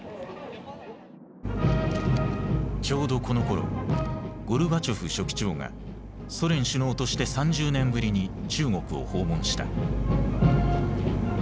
ちょうどこのころゴルバチョフ書記長がソ連首脳として３０年ぶりに中国を訪問した。